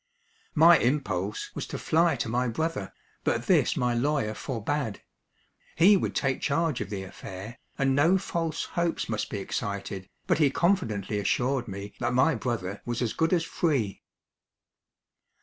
My impulse was to fly to my brother, but this my lawyer forbade. He would take charge of the affair, and no false hopes must be excited, but he confidently assured me that my brother was as good as free.